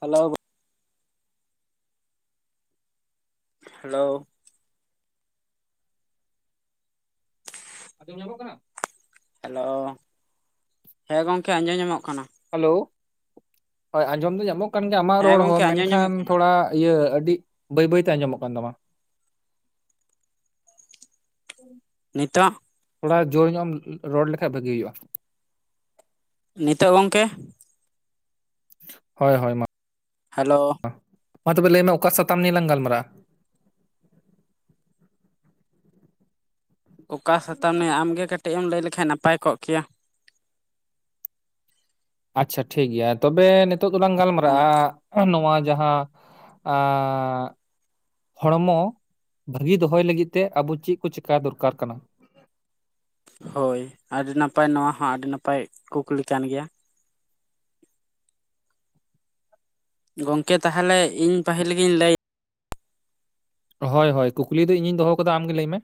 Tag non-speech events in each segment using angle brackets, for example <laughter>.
Hello hello ᱟᱸᱡᱚᱢ ᱧᱟᱢᱚᱜ ᱠᱟᱱᱟ ᱦᱮᱞᱳ ᱦᱮᱸ ᱜᱚᱝᱠᱮ ᱟᱸᱡᱚᱢ ᱧᱟᱢᱚᱜ ᱠᱟᱱᱟ ᱦᱮᱞᱳ ᱦᱳᱭ ᱟᱸᱡᱚᱢ ᱫᱚ ᱧᱟᱢᱚᱜ ᱠᱟᱱ ᱜᱮᱭᱟ ᱟᱢᱟᱜ ᱦᱮᱸ ᱨᱚᱲ ᱜᱚᱝᱠᱮ ᱦᱚᱸ ᱟᱸᱡᱚᱢ ᱢᱮᱱᱠᱷᱟᱱ ᱧᱟᱢᱚᱜ ᱠᱟᱱᱟ ᱛᱷᱚᱲᱟ ᱤᱭᱟᱹ ᱟᱹᱰᱤᱜ ᱵᱟᱹᱭ ᱵᱟᱹᱭ‌ᱛᱮ ᱟᱸᱡᱚᱢᱚᱜ ᱠᱟᱱ ᱛᱟᱢᱟ <unintelligible> ᱱᱤᱛᱚᱜ ᱛᱷᱚᱲᱟ ᱡᱳᱨ ᱧᱚᱜ ᱮᱢ ᱨᱚᱲ ᱞᱮᱠᱷᱟᱡ ᱵᱷᱟᱹᱜᱤ ᱦᱩᱭᱩᱜᱼᱟ᱾ ᱱᱤᱛᱚᱜ ᱜᱚᱝᱠᱮ ᱦᱳᱭ ᱦᱳᱭ ᱢᱟ ᱦᱮᱞᱳ ᱢᱟ ᱛᱚᱵᱮ ᱞᱟᱹᱭᱢᱮ ᱚᱠᱟ ᱥᱟᱛᱟᱢ ᱱᱤᱭᱟᱹ ᱞᱟᱝ ᱜᱟᱞᱢᱟᱨᱟᱜᱼᱟ᱾ ᱚᱠᱟ ᱥᱟᱛᱟᱢᱮ ᱟᱢᱜᱮ ᱠᱟᱹᱴᱤᱡ ᱮᱢ ᱞᱟᱹᱭ ᱞᱮᱠᱷᱟᱱ ᱱᱟᱯᱟᱭ ᱠᱚᱜ ᱠᱮᱭᱟ ᱟᱪᱪᱷᱟ ᱴᱷᱤᱠ ᱜᱮᱭᱟ ᱛᱚᱵᱮ ᱱᱤᱛᱚᱜ ᱫᱚᱞᱟᱝ ᱜᱟᱞᱢᱟᱨᱟᱜᱼᱟ ᱱᱚᱣᱟ ᱡᱟᱦᱟᱸ ᱟᱸᱻ ᱦᱚᱲᱢᱚ ᱵᱷᱟᱹᱜᱤ ᱫᱚᱦᱚᱭ ᱞᱟᱹᱜᱤᱫ ᱛᱮ ᱟᱵᱚ ᱪᱤᱫ ᱠᱚ ᱪᱮᱠᱟᱭ ᱫᱚᱨᱠᱟᱨ ᱠᱟᱱᱟ ᱦᱳᱭ ᱟᱹᱰᱤ ᱱᱟᱯᱟᱭ ᱱᱚᱣᱟ ᱦᱚᱸ ᱟᱹᱰᱤ ᱱᱟᱯᱟᱭ ᱠᱩᱠᱞᱤ ᱠᱟᱱ ᱜᱮᱭᱟ ᱜᱚᱝᱠᱮ ᱛᱟᱦᱚᱞᱮ ᱤᱧ ᱯᱟᱹᱦᱤᱞ ᱜᱤᱧ ᱞᱟᱹᱭ ᱦᱳᱭ ᱦᱳᱭ ᱠᱩᱠᱞᱤ ᱫᱚ ᱤᱧᱤᱧ ᱫᱚᱦᱚ ᱠᱟᱫᱟ ᱟᱢᱜᱮ ᱞᱟᱹᱭ ᱢᱮ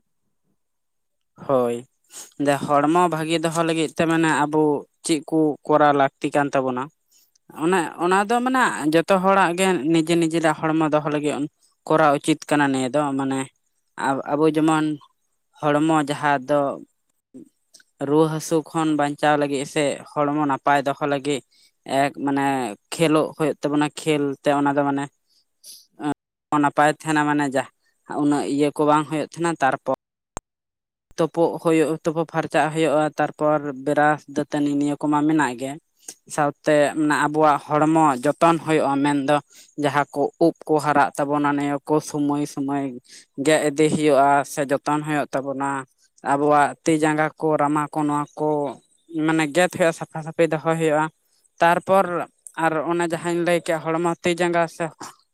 ᱦᱳᱭ ᱡᱟ ᱦᱚᱲᱢᱚ ᱵᱷᱟᱹᱜᱤ ᱫᱚᱦᱚ ᱞᱟᱹᱜᱤᱫ ᱛᱮ ᱢᱟᱱᱮ ᱟᱵᱚ ᱪᱤᱫ ᱠᱩ ᱠᱚᱨᱟᱣ ᱞᱟᱹᱠᱛᱤ ᱠᱟᱱ ᱛᱟᱵᱚᱱᱟ᱾ ᱚᱱᱮ ᱚᱱᱟ ᱫᱚ ᱢᱟᱱᱮ ᱡᱚᱛᱚ ᱦᱚᱲᱟᱜ ᱜᱮ ᱱᱤᱡᱮ ᱱᱤᱡᱮᱨᱟᱜ ᱦᱚᱲᱢᱚ ᱫᱚᱦᱚ ᱞᱟᱹᱜᱤᱫ ᱠᱚᱨᱟᱣ ᱩᱪᱤᱛ ᱠᱟᱱᱟ ᱱᱤᱭᱟᱹ ᱫᱚ ᱢᱟᱱᱮ ᱟᱵᱽ ᱟᱵᱩ ᱡᱮᱢᱚᱱ ᱦᱚᱲᱢᱚ ᱡᱟᱦᱟᱸ ᱫᱚ ᱨᱩᱣᱟᱹ ᱦᱟᱹᱥᱩ ᱠᱷᱚᱱ ᱵᱟᱧᱪᱟᱣ ᱞᱟᱹᱜᱤᱜ ᱥᱮ ᱦᱚᱲᱢᱚ ᱱᱟᱯᱟᱭ ᱫᱚᱦᱚ ᱞᱟᱹᱜᱤᱜ ᱮᱠ ᱢᱟᱱᱮ ᱠᱷᱮᱞᱚᱜ ᱦᱩᱭᱩᱜ ᱛᱟᱵᱚᱱᱟ ᱠᱷᱮᱞ ᱛᱮ ᱚᱱᱟ ᱫᱚ ᱢᱟᱱᱮ ᱱᱟᱯᱟᱭ ᱛᱟᱦᱮᱱᱟ ᱢᱟᱱᱮ ᱡᱟᱦ ᱩᱱᱟᱹᱜ ᱤᱭᱟᱹ ᱠᱚ ᱵᱟᱝ ᱦᱩᱭᱩᱜ ᱛᱟᱦᱮᱱᱟ ᱛᱟᱨᱯᱚ ᱛᱚᱯᱚᱜ ᱦᱩᱭᱩᱜᱼᱟ ᱛᱩᱯᱚ ᱯᱷᱟᱨᱪᱟᱜ ᱦᱩᱭᱩᱜᱼᱟ ᱛᱟᱨᱯᱚᱨ ᱵᱮᱨᱟᱥ ᱫᱟᱹᱛᱟᱹᱱᱤ ᱱᱤᱭᱟᱹ ᱠᱚᱢᱟ ᱢᱮᱱᱟᱜ ᱜᱮ ᱥᱟᱶᱛᱮ ᱢᱟᱱᱮ ᱟᱵᱚᱣᱟᱜ ᱦᱚᱲᱢᱚ ᱡᱚᱛᱚᱱ ᱦᱩᱭᱩᱜᱼᱟ ᱢᱮᱱ ᱫᱚ ᱡᱟᱦᱟᱸ ᱠᱚ ᱩᱵᱽ ᱠᱚ ᱦᱟᱨᱟᱜ ᱛᱟᱵᱚᱱᱟ ᱱᱤᱭᱟᱹ ᱠᱚ ᱥᱩᱢᱚᱭ ᱥᱚᱢᱚᱭ ᱜᱮᱜ ᱤᱫᱤ ᱦᱤᱭᱩᱜᱼᱟ ᱥᱮ ᱡᱚᱛᱚᱱ ᱦᱩᱭᱩᱜ ᱟ ᱛᱟᱵᱚᱱᱟ ᱟᱵᱚᱣᱟᱜ ᱛᱤ ᱡᱟᱸᱜᱟ ᱠᱚ ᱨᱟᱢᱟ ᱠᱚ ᱱᱚᱣᱟ ᱠᱚ ᱢᱟᱱᱮ ᱜᱮᱫ ᱦᱩᱭᱩᱜᱼᱟ ᱥᱟᱯᱷᱟ ᱥᱟᱹᱯᱷᱤ ᱫᱚᱦᱚᱭ ᱦᱩᱭᱩᱜᱼᱟ ᱛᱟᱨᱯᱚᱨ ᱟᱨ ᱚᱱᱮ ᱡᱟᱦᱟᱸᱧ ᱞᱟᱹᱭ ᱠᱮᱜᱼᱟ ᱦᱚᱲᱢᱚ ᱛᱤ ᱡᱟᱸᱜᱟ ᱥᱮ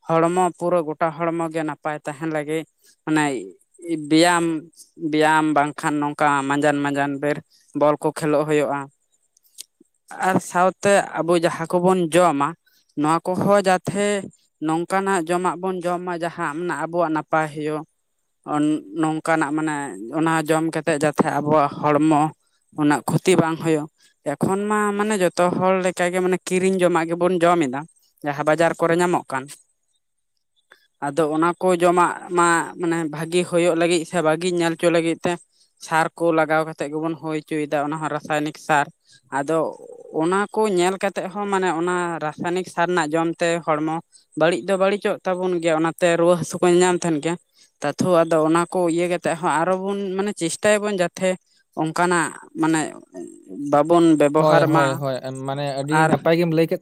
ᱦᱚᱲᱢᱚ ᱯᱩᱨᱟᱹ ᱜᱚᱴᱟ ᱦᱚᱲᱢᱚ ᱜᱮ ᱱᱟᱯᱟᱭ ᱛᱟᱦᱮᱱ ᱞᱟᱹᱜᱤᱫ ᱢᱟᱱᱮᱭ ᱵᱮᱭᱟᱢ ᱯᱮᱭᱟᱢ ᱵᱟᱝ ᱠᱷᱟᱱ ᱱᱚᱝᱠᱟ ᱢᱟᱸᱡᱟᱱ ᱢᱟᱸᱡᱟᱱ ᱵᱮᱨ ᱵᱚᱞ ᱠᱚ ᱠᱷᱮᱞᱚᱜ ᱦᱩᱭᱩᱜᱼᱟ ᱟᱨ ᱥᱟᱶᱛᱮ ᱟᱵᱚ ᱡᱟᱦᱟᱸ ᱠᱚᱵᱚᱱ ᱡᱚᱢ ᱟ ᱱᱚᱶᱟ ᱠᱚᱦᱚᱸ ᱡᱟᱛᱷᱮ ᱱᱚᱝᱠᱟᱱᱼᱟᱜ ᱡᱚᱢᱟᱜ ᱵᱚᱱ ᱡᱚᱢ ᱢᱟ ᱡᱟᱦᱟᱸ ᱟᱵᱚᱣᱟᱜ ᱱᱟᱯᱟᱭ ᱦᱳᱭᱳᱜ᱾ ᱱᱚᱝᱠᱟᱱᱼᱟᱜ ᱢᱟᱱᱮ ᱚᱱᱟ ᱡᱚᱢ ᱠᱟᱛᱮᱫ ᱡᱟᱛᱮ ᱟᱵᱚᱣᱟᱜ ᱦᱚᱲᱢᱚ ᱩᱱᱟᱹᱜ ᱠᱷᱚᱛᱤ ᱵᱟᱝ ᱦᱩᱭᱩᱜ ᱮᱠᱷᱚᱱ ᱢᱟ ᱢᱟᱱᱮ ᱡᱚᱛᱚ ᱦᱚᱲ ᱞᱮᱠᱟᱜᱮ ᱢᱟᱱᱮ ᱠᱤᱨᱤᱧ ᱡᱚᱢᱼᱟᱜ ᱜᱮᱵᱚᱱ ᱡᱚᱢ ᱮᱫᱟ᱾ ᱡᱟᱦᱟᱸ ᱵᱟᱡᱟᱨ ᱠᱚᱨᱮ ᱧᱟᱢᱚᱜ ᱠᱟᱱ᱾ ᱟᱫᱚ ᱚᱱᱟ ᱠᱚ ᱡᱚᱢᱟᱜ ᱢᱟ ᱢᱟᱱᱮ ᱵᱷᱟᱜᱤ ᱦᱳᱭᱳᱜ ᱞᱟᱹᱜᱤᱫ ᱥᱮ ᱵᱷᱟᱜᱤ ᱧᱮᱞ ᱦᱚᱪᱚ ᱞᱟᱹᱜᱤᱫ ᱛᱮ ᱥᱟᱨ ᱠᱚ ᱞᱟᱜᱟᱣ ᱠᱟᱛᱮᱫ ᱜᱮᱵᱚᱱ ᱦᱩᱭ ᱦᱚᱪᱚᱭ ᱮᱫᱟ ᱚᱱᱟ ᱦᱚᱸ ᱨᱟᱥᱟᱭᱚᱱᱤᱠ ᱥᱟᱨ ᱟᱫᱚ ᱚᱱᱟ ᱠᱚ ᱧᱮᱞ ᱠᱟᱛᱮᱜ ᱦᱚᱸ ᱢᱟᱱᱮ ᱚᱱᱟ ᱨᱟᱥᱟᱭᱱᱤᱠ ᱥᱟᱨ ᱨᱮᱱᱟᱜ ᱡᱚᱢ ᱛᱮ ᱦᱚᱲᱢᱚ ᱵᱟᱹᱲᱤᱡ ᱫᱚ ᱵᱟᱹᱲᱤᱡᱼᱚᱜ ᱛᱟᱵᱚᱱ ᱜᱮᱭᱟ ᱚᱱᱟᱛᱮ ᱨᱩᱣᱟᱹ ᱦᱟᱹᱥᱩ ᱠᱚ ᱧᱮᱧᱟᱢ ᱛᱟᱦᱮᱸᱱ ᱜᱮᱭᱟ ᱛᱟᱛᱷᱚ ᱟᱫᱚ ᱚᱱᱟ ᱠᱚ ᱤᱭᱟᱹ ᱠᱟᱛᱮ ᱟᱨᱚ ᱵᱚᱱ ᱢᱟᱱᱮ ᱪᱮᱥᱴᱟᱭ ᱟᱵᱚᱱ ᱡᱟᱛᱮ ᱚᱱᱠᱟᱱᱼᱟᱜ ᱢᱟᱱᱮ ᱵᱟᱵᱚᱱ ᱦᱳᱭ, ᱵᱮᱵᱚᱦᱟᱨ ᱢᱟ ᱦᱳᱭ, ᱟᱨ <unintelligible>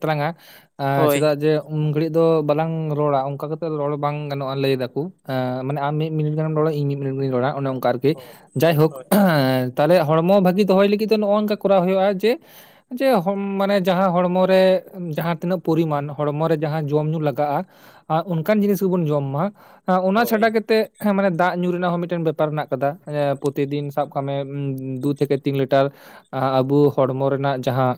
ᱦᱳᱭ ᱪᱮᱫᱽ -ᱟ ᱡᱮ ᱩᱱ ᱜᱷᱟᱹᱲᱤᱡ ᱫᱚ ᱵᱟᱞᱟᱝ ᱨᱚᱲᱟ ᱚᱱᱠᱟ ᱠᱟᱛᱮᱜ ᱨᱚᱲ ᱵᱟᱝ ᱜᱟᱱᱚᱜᱼᱟ ᱞᱟᱹᱭ ᱫᱟᱠᱚ ᱢᱟᱱᱮ ᱟᱢ ᱢᱤᱫ ᱢᱤᱫ ᱜᱟᱱ ᱮᱢ ᱨᱚᱲ ᱟ ᱤᱧ ᱢᱤᱫ ᱜᱟᱱᱤᱧ ᱨᱚᱲᱟ ᱟᱨᱠᱤ ᱡᱟᱭᱦᱳᱠ ᱦᱳᱭ ᱛᱟᱦᱞᱮ ᱦᱚᱲᱢᱚ ᱵᱷᱟᱹᱜᱤ ᱫᱚᱦᱚᱭ ᱞᱟᱹᱜᱤᱫ ᱛᱮ ᱱᱚᱜᱼᱚ ᱱᱚᱜᱝᱠᱟ ᱠᱚᱨᱟᱣ ᱦᱩᱭᱩᱜᱼᱟ ᱛᱮ ᱡᱮ ᱢᱟᱱᱮ ᱡᱟᱦᱟᱸ ᱦᱚᱲᱢᱚ ᱨᱮ ᱡᱟᱦᱟᱸ ᱛᱤᱱᱟᱹᱜ ᱯᱚᱨᱤᱢᱟᱱ ᱦᱚᱲᱢᱚ ᱨᱮ ᱡᱟᱦᱟᱸ ᱡᱚᱢ ᱧᱩ ᱞᱟᱜᱟᱜᱼᱟ ᱟᱨ ᱚᱱᱠᱟᱱ ᱡᱤᱱᱤᱥ ᱜᱮᱵᱚᱱ ᱡᱚᱢ ᱢᱟ ᱚᱱᱟ ᱪᱷᱟᱰᱟ ᱠᱟᱛᱮᱫ ᱦᱮᱸ ᱢᱟᱱᱮ ᱫᱟᱜ ᱧᱩ ᱨᱮᱱᱟᱜ ᱦᱚᱸ ᱢᱤᱫ ᱴᱮᱱ ᱵᱮᱯᱟᱨ ᱢᱮᱱᱟᱜ ᱠᱟᱫᱟ ᱯᱨᱚᱛᱤᱫᱤᱱ ᱥᱟᱵ ᱠᱟᱜ ᱢᱮ ᱫᱩ ᱛᱷᱮᱠᱮ ᱛᱤᱱ ᱞᱤᱴᱟᱨ ᱟᱵᱚ ᱦᱚᱲᱢᱚ ᱨᱮᱱᱟᱜ ᱡᱟᱦᱟᱸ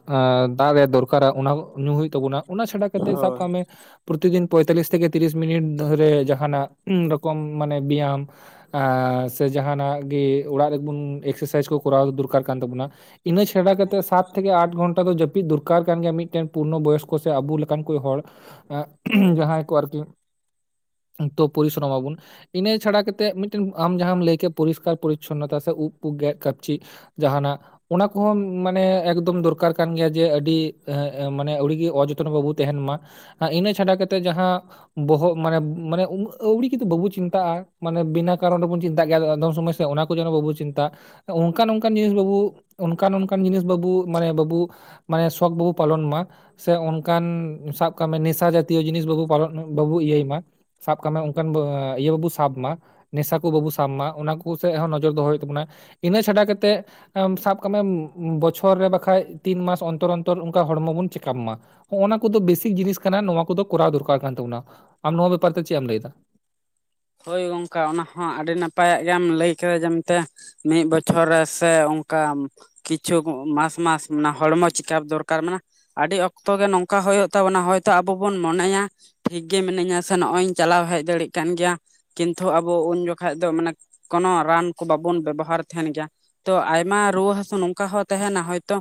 ᱫᱟᱜ ᱨᱮᱭᱟᱜ ᱫᱚᱨᱠᱟᱨ ᱟ ᱚᱱᱟ ᱧᱩ ᱦᱩᱭᱩᱜ ᱛᱟᱵᱚᱱᱟ᱾ ᱚᱱᱟ ᱪᱷᱟᱰᱟ ᱠᱟᱛᱮᱫ ᱥᱟᱵ ᱠᱟᱜ ᱢᱮ᱾ ᱯᱨᱚᱛᱤ ᱫᱤᱱ ᱯᱚᱸᱭᱛᱟᱞᱤᱥ ᱛᱷᱮᱠᱮ ᱛᱤᱨᱤᱥ ᱢᱤᱱᱤᱴ ᱫᱷᱚᱨᱮ ᱡᱟᱦᱟᱸᱱᱼᱟᱜ ᱨᱚᱠᱚᱢ ᱢᱟᱱᱮ ᱵᱮᱭᱟᱢ ᱥᱮ ᱡᱟᱦᱟᱸᱱᱼᱟᱜ ᱜᱮ ᱚᱲᱟᱜ ᱨᱮᱵᱚᱱ ᱮᱠᱥᱮᱥᱟᱭᱤᱡᱽ ᱠᱚ ᱠᱚᱨᱟᱣ ᱫᱚᱨᱠᱟᱨ ᱠᱟᱱ ᱛᱟᱵᱚᱱᱟ᱾ ᱤᱱᱟᱹ ᱪᱷᱟᱰᱟ ᱠᱟᱛᱮᱫ ᱥᱟᱛ ᱛᱷᱮᱠᱮ ᱟᱴ ᱜᱷᱚᱱᱟᱴᱚ ᱫᱚ ᱡᱟᱹᱯᱤᱫ ᱫᱚᱨᱠᱟᱨ ᱠᱟᱱ ᱜᱮᱭᱟ ᱢᱤᱫ ᱴᱮᱱ ᱯᱩᱨᱱᱚ ᱵᱚᱭᱚᱥᱠᱚ ᱥᱮ ᱟᱵᱚ ᱞᱮᱠᱟᱱ ᱠᱚ ᱦᱚᱲ ᱦᱳᱭ ᱡᱟᱦᱟᱸᱭ ᱠᱚ ᱟᱨᱠᱤ ᱛᱚ ᱯᱚᱨᱤᱥᱨᱚᱢ ᱟᱵᱚᱱ ᱤᱱᱟᱹ ᱪᱷᱟᱲᱟ ᱠᱟᱛᱮᱫ ᱢᱤᱫ ᱴᱮᱱ ᱟᱢ ᱡᱟᱦᱟᱸᱟᱢ ᱞᱟᱹᱭ ᱠᱮ ᱯᱚᱨᱤᱥᱠᱟᱨ ᱯᱚᱨᱤᱪᱷᱱᱚᱛᱟ ᱥᱮ ᱩᱵ ᱜᱮᱫ ᱠᱟᱯᱪᱤ ᱡᱟᱦᱟᱸ ᱱᱟᱜ ᱚᱱᱟ ᱠᱩᱦᱚᱸᱢ ᱢᱟᱱᱮ ᱮᱠᱫᱚᱢ ᱫᱚᱨᱠᱟᱨ ᱠᱟᱱ ᱜᱮᱭᱟ ᱡᱮ ᱟᱹᱰᱤ ᱢᱟᱱᱮ ᱟᱹᱣᱲᱤ ᱜᱮ ᱚᱡᱚᱛᱚᱱᱚ ᱵᱟᱵᱚ ᱛᱟᱦᱮᱱ ᱢᱟ᱾ ᱟᱨ ᱤᱱᱟᱹ ᱪᱷᱟᱰᱟ ᱠᱟᱛᱮᱫ ᱡᱟᱦᱟᱸ ᱵᱚᱦᱚᱜ ᱢᱟᱱᱮ ᱢᱟᱱᱮ ᱟᱹᱣᱲᱤ ᱜᱤᱫᱚ ᱵᱟᱵᱚ ᱪᱤᱱᱛᱟᱜ-ᱟ ᱢᱟᱱᱮ ᱵᱤᱱᱟ ᱠᱟᱨᱚᱱ ᱨᱮᱵᱚᱱ ᱪᱤᱱᱛᱟᱜ ᱜᱮᱭᱟ ᱟᱫᱚᱢ ᱥᱚᱢᱚᱭ ᱚᱱᱟ ᱠᱚ ᱡᱮᱱᱚ ᱵᱟᱵᱚ ᱪᱤᱱᱛᱟᱜ ᱚᱱᱠᱟᱱ ᱚᱱᱠᱟᱱ ᱡᱤᱱᱤᱥ ᱵᱟᱵᱚ ᱚᱱᱠ ᱚᱱᱠ ᱚᱱᱠᱟᱱ ᱡᱤᱱᱤᱥ ᱵᱟᱵᱚ ᱢᱟᱱᱮ ᱵᱟᱵᱚ ᱢᱟᱱᱮ ᱥᱚᱠ ᱵᱟᱵᱚᱱ ᱯᱟᱞᱚᱱ ᱢᱟ ᱥᱮ ᱚᱱᱠᱟᱱ ᱥᱟᱵ ᱠᱟᱢᱤ ᱱᱮᱥᱟ ᱡᱟᱛᱤᱭᱚ ᱡᱤᱱᱤᱥ ᱵᱟᱵᱩ ᱯᱟᱞᱚᱱ ᱵᱟᱵᱚᱱ ᱤᱭᱟᱹᱭ ᱢᱟ᱾ ᱥᱟᱵ ᱠᱟᱜ ᱢᱮ ᱚᱱᱠᱟᱱ ᱤᱭᱟᱹ ᱵᱟᱵᱩ ᱥᱟᱵ ᱢᱟ᱾ ᱱᱮᱥᱟ ᱠᱚ ᱵᱟᱵᱩ ᱥᱟᱵ ᱢᱟ ᱚᱱᱟ ᱠᱚ ᱥᱮᱫ ᱦᱚᱸ ᱱᱚᱡᱚᱨ ᱫᱚᱦᱚᱭ ᱦᱩᱭᱩᱜ ᱛᱟᱵᱚᱱᱟ᱾ ᱤᱱᱟᱹ ᱪᱷᱟᱰᱟ ᱠᱟᱛᱮᱫ ᱟᱢ ᱥᱟᱵ ᱠᱟᱜ ᱢᱮᱢ ᱵᱚᱪᱷᱚᱨ ᱨᱮ ᱵᱟᱠᱷᱟᱡ ᱛᱤᱱ ᱢᱟᱥ ᱚᱱᱛᱚᱨ ᱚᱱᱛᱚᱨ ᱚᱱᱠᱟ ᱦᱚᱲᱢᱚ ᱵᱚᱱ ᱪᱮᱠᱟᱯ ᱢᱟ᱾ ᱦᱚᱜ ᱱᱚᱣᱟ ᱠᱚ ᱫᱚ ᱵᱮᱥᱤᱠ ᱡᱤᱱᱤᱥ ᱠᱟᱱᱟ ᱱᱚᱶᱟ ᱠᱚ ᱫᱚ ᱠᱚᱨᱟᱣ ᱫᱚᱨᱠᱟᱨ ᱠᱟᱱ ᱛᱟᱵᱚᱱᱟ᱾ ᱟᱢ ᱱᱚᱶᱟ ᱵᱮᱯᱟᱨ ᱛᱮ ᱪᱮᱫ ᱮᱢ ᱞᱟᱹᱭ ᱫᱟ? ᱦᱳᱭ ᱜᱚᱝᱠᱮ ᱚᱱᱟ ᱦᱚᱸ ᱟᱹᱰᱤ ᱱᱟᱯᱟᱭᱟᱜ ᱜᱮᱭᱟᱢ ᱞᱟᱹᱭ ᱠᱮᱫᱟ ᱡᱮᱱᱛᱮ ᱢᱤᱫ ᱵᱚᱪᱷᱚᱨ ᱨᱮ ᱥᱮ ᱚᱱᱠᱟ ᱠᱤᱪᱩ ᱢᱟᱥ ᱢᱟᱥ ᱢᱟᱱᱮ ᱦᱚᱲᱢᱚ ᱪᱮᱠᱟᱯ ᱫᱚᱨᱠᱟᱨ ᱢᱟᱱᱮ ᱟᱹᱰᱤ ᱚᱠᱛᱚ ᱜᱮ ᱱᱚᱝᱠᱟ ᱦᱩᱭᱩᱜ ᱛᱟᱵᱚᱱᱟ ᱦᱚᱭ ᱛᱚ ᱟᱵᱚ ᱵᱚᱱ ᱢᱚᱱᱮᱭᱟ᱾ ᱴᱷᱤᱠ ᱜᱮ ᱢᱤᱱᱟᱹᱧᱟ ᱥᱮ ᱱᱚᱜᱚᱭ ᱤᱧ ᱪᱟᱞᱟᱣ ᱦᱮᱡ ᱫᱟᱲᱮᱭᱟᱜ ᱠᱟᱱ ᱜᱮᱭᱟ᱾ ᱠᱤᱱᱛᱩ ᱟᱵᱚ ᱩᱱ ᱡᱚᱠᱷᱟᱡ ᱫᱚ ᱢᱟᱱᱮ ᱠᱚᱱᱚ ᱨᱟᱱ ᱠᱚ ᱵᱟᱵᱚᱱ ᱵᱮᱵᱚᱦᱟᱨ ᱛᱟᱦᱮᱱ ᱜᱮᱭᱟ᱾ ᱛᱚ ᱟᱭᱢᱟ ᱨᱩᱣᱟᱹ ᱦᱟᱹᱥᱩ ᱱᱚᱝᱠᱟ ᱦᱚᱸ ᱛᱟᱦᱮᱱᱟ ᱦᱚᱭ ᱛᱚ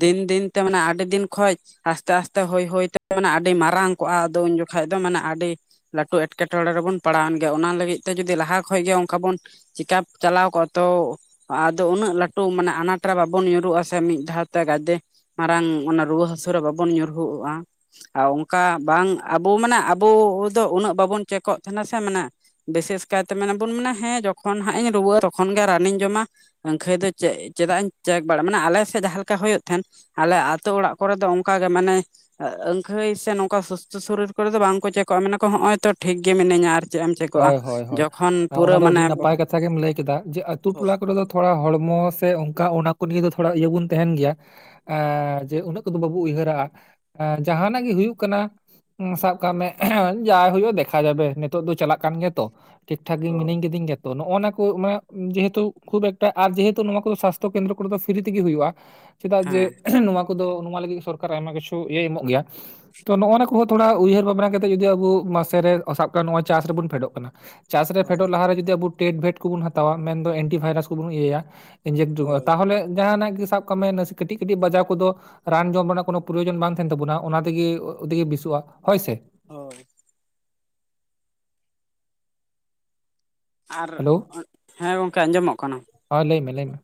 ᱫᱤᱱ ᱫᱤᱱ ᱛᱮ ᱢᱟᱱᱮ ᱟᱹᱰᱤ ᱫᱤᱱ ᱠᱷᱚᱡ, ᱟᱥᱛᱮ ᱟᱥᱛᱮ ᱦᱩᱭ ᱦᱩᱭ ᱢᱟᱱᱮ ᱟᱹᱰᱤ ᱢᱟᱨᱟᱝ ᱠᱚᱜ-ᱟ ᱟᱫᱚ ᱩᱱ ᱡᱚᱠᱷᱟᱡ ᱫᱚ ᱢᱟᱱᱮ ᱟᱹᱰᱤ ᱞᱟᱹᱴᱩ ᱮᱸᱴᱠᱮ ᱴᱚᱬᱮ ᱨᱮᱵᱚᱱ ᱯᱟᱲᱟᱣ ᱮᱱ ᱜᱮᱭᱟ ᱚᱱᱟ ᱞᱟᱹᱜᱤᱫ ᱛᱮ ᱡᱩᱫᱤ ᱞᱟᱦᱟ ᱠᱷᱚᱡ ᱜᱮ ᱚᱱᱠᱟ ᱵᱚᱱ ᱪᱮᱠᱟᱯ ᱪᱟᱞᱟᱣ ᱠᱚᱜ-ᱟ ᱛᱚ ᱟᱫᱚ ᱩᱱᱟᱹᱜ ᱞᱟᱹᱴᱩ ᱢᱟᱱᱮ ᱟᱱᱟᱴ ᱨᱮ ᱵᱟᱵᱚᱱ ᱧᱩᱨᱩᱜ-ᱟ ᱥᱮ ᱢᱤᱫ ᱫᱷᱟᱣ ᱛᱮ ᱜᱟᱫᱮ ᱢᱟᱨᱟᱝ ᱚᱱᱟ ᱨᱩᱣᱟᱹ ᱦᱟᱹᱥᱩ ᱨᱮ ᱵᱟᱵᱚᱱ ᱧᱩᱨᱦᱩᱜ-ᱟ᱾ ᱟᱨ ᱚᱱᱠᱟ ᱵᱟᱝ ᱟᱵᱚ ᱢᱟᱱᱮ ᱟᱵᱚ ᱫᱚ ᱩᱱᱟᱹᱜ ᱵᱟᱵᱚᱱ ᱪᱮᱠᱚᱜ ᱛᱟᱦᱮᱱᱟ ᱥᱮ ᱢᱟᱱᱮ ᱵᱤᱥᱮᱥ ᱠᱟᱭᱛᱮ ᱢᱮᱱᱟ ᱵᱚᱱ ᱢᱮᱱᱟ ᱦᱮᱸ ᱡᱚᱠᱷᱚᱱ ᱦᱟᱸᱜ ᱤᱧ ᱨᱩᱣᱟᱹ ᱛᱚᱠᱷᱚᱱ ᱜᱮ ᱨᱟᱱᱤᱧ ᱡᱚᱢᱟ ᱮᱱᱠᱷᱟᱹᱡ ᱫᱚ ᱪᱮᱫ ᱪᱮᱫᱟᱜ ᱤᱧ ᱪᱮᱠ ᱵᱟᱲᱟᱜ ᱢᱟᱱᱮ ᱟᱞᱮ ᱥᱮᱫ ᱡᱟᱦᱟᱸ ᱞᱮᱠᱟ ᱦᱩᱭᱩᱜ ᱛᱟᱦᱮᱸᱱ ᱟᱞᱮ ᱟᱹᱛᱩ ᱚᱲᱟᱜ ᱠᱚ ᱨᱮ ᱫᱚ ᱚᱱᱠᱟ ᱜᱮ ᱢᱟᱱᱮ ᱟᱹᱠᱷᱟᱹᱭ ᱥᱮ ᱱᱚᱝᱠᱟ ᱥᱩᱥᱛᱚ ᱥᱚᱨᱤᱨ ᱠᱚ ᱨᱮ ᱫᱚ ᱵᱟᱝ ᱠᱚ ᱪᱮᱠᱚᱜ-ᱟ ᱢᱮᱱᱟ ᱠᱚ ᱦᱚᱸᱜ-ᱚᱭ ᱛᱚ ᱴᱷᱤᱠ ᱜᱮ ᱢᱤᱵᱤᱧᱟ ᱟᱨ ᱪᱮᱫ ᱮᱢ ᱪᱮᱠ ᱦᱚᱭ ᱦᱚᱭ ᱦᱚᱭ ᱚᱱᱟ ᱫᱚ ᱟᱹᱰᱤ ᱱᱟᱯᱟᱭ ᱠᱟᱛᱷᱟ ᱜᱮᱢ ᱞᱟᱹᱭ ᱠᱮᱫᱟ ᱡᱮ ᱟᱹᱛᱩ ᱦᱳᱭ ᱴᱚᱞᱟ ᱠᱚ ᱨᱮ ᱫᱚ ᱛᱷᱚᱲᱟ ᱦᱚᱲᱢᱚ ᱥᱮ ᱚᱱᱠᱟ ᱚᱱᱟ ᱠᱚ ᱱᱤᱭᱮ ᱫᱚ ᱛᱷᱚᱲᱟ ᱤᱭᱟᱹ ᱵᱚᱱ ᱛᱟᱦᱮᱱ ᱜᱮᱭᱟ᱾ ᱮᱸ ᱡᱮ ᱩᱱᱟᱹᱜ ᱠᱚᱫᱚ ᱵᱟᱵᱚ ᱩᱭᱦᱟᱹᱨᱟᱜ-ᱟ ᱮ ᱡᱟᱦᱟᱱᱟᱜ ᱜᱮ ᱦᱩᱭᱩᱜ ᱠᱟᱱᱟ ᱥᱟᱵ ᱠᱟᱜ ᱢᱮ ᱡᱟ ᱦᱩᱭᱩᱜ-ᱟ ᱫᱮᱠᱷᱟ ᱡᱟᱵᱮ ᱱᱤᱛᱚᱜ ᱫᱚ ᱪᱟᱞᱟᱜ ᱠᱟᱱ ᱜᱮᱭᱟ ᱛᱚ ᱴᱷᱤᱠ ᱴᱷᱟᱠ ᱜᱮ ᱦᱳᱭ ᱢᱤᱱᱤᱧ ᱠᱤᱫᱤᱧ ᱜᱮᱭᱟ ᱛᱚ ᱛᱚ ᱱᱚᱜ-ᱚ ᱱᱚᱣᱟ ᱠᱚ ᱚᱱᱟ ᱡᱮᱦᱮᱛᱩ ᱠᱷᱩᱵᱽ ᱮᱠᱴᱟ ᱟᱨ ᱡᱮᱦᱮᱛᱩ ᱱᱚᱣᱟ ᱠᱚᱫᱚ ᱥᱟᱥᱛᱷᱚ ᱠᱮᱱᱫᱨᱚ ᱠᱚ ᱨᱮ ᱫᱚ ᱯᱷᱤᱨᱤ ᱛᱮ ᱜᱮ ᱦᱩᱭᱩᱜ-ᱟ᱾ ᱪᱮᱫᱟᱜ ᱡᱮ ᱦᱮᱸ ᱱᱚᱶᱟ ᱠᱚ ᱫᱚ ᱱᱚᱣᱟ ᱞᱟᱹᱜᱤᱫ ᱥᱚᱨᱠᱟᱨ ᱟᱭᱢᱟ ᱠᱤᱪᱷᱩ ᱤᱭᱟᱹᱭ ᱮᱢᱚᱜ ᱜᱮᱭᱟ ᱛᱚ ᱱᱚᱜ-ᱱᱟ ᱠᱚᱦᱚᱸ ᱛᱷᱚᱲᱟ ᱩᱭᱦᱟᱹᱨ ᱵᱷᱟᱵᱽᱱᱟ ᱠᱟᱛᱮᱜ ᱡᱩᱫᱤ ᱟᱵᱚ ᱢᱟᱥᱮ ᱨᱮ ᱥᱟᱵ ᱠᱟᱢ ᱪᱟᱥ ᱨᱮᱵᱩᱱ ᱯᱷᱮᱰᱚᱜ ᱠᱟᱱᱟ ᱪᱟᱥ ᱨᱮ ᱯᱷᱮᱰᱚᱜ ᱦᱳᱭ ᱞᱟᱦᱟ ᱨᱮ ᱡᱩᱫᱤ ᱟᱵᱚ ᱴᱮᱰᱵᱷᱮᱴ ᱠᱚᱵᱚᱱ ᱦᱟᱛᱟᱣᱟ ᱢᱮᱱᱫᱚ ᱮᱱᱴᱤ ᱵᱷᱟᱭᱨᱟᱥ ᱠᱚᱵᱚᱱ ᱤᱭᱟᱹᱭᱟ ᱤᱧᱡᱮᱠᱴᱚᱜ-ᱟ ᱦᱳᱭ ᱛᱟᱦᱚᱞᱮ ᱡᱟᱦᱟᱱᱟᱜ ᱜᱮ ᱥᱟᱵ ᱠᱟᱜ ᱢᱮ ᱱᱟᱥᱮ ᱠᱟᱹᱴᱤᱡ ᱠᱟᱹᱴᱤᱡ ᱵᱟᱡᱟᱣ ᱠᱚ ᱫᱚ ᱨᱟᱱ ᱡᱚᱢ ᱨᱮᱱᱟᱜ ᱠᱚᱱᱚ ᱯᱨᱚᱭᱚᱡᱚᱱ ᱵᱟᱝ ᱛᱟᱦᱮᱱ ᱛᱟᱵᱚᱱᱟ ᱚᱱᱟ ᱛᱮᱜᱮ ᱛᱮᱜᱮ ᱵᱮᱥᱚᱜ-ᱟ ᱦᱚᱭ ᱥᱮ ᱦᱚᱭ ᱟᱨ ᱦᱮᱸ ᱜᱚᱝᱠᱮ ᱟᱸᱡᱚᱢᱚᱜ ᱠᱟᱱᱟ ᱦᱟ ᱞᱟᱹᱭ ᱢᱮ ᱞᱟᱹᱭ ᱢᱮ